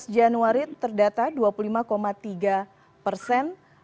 dua belas januari terdata dua puluh lima tiga persen